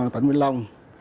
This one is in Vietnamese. tỉnh vĩnh long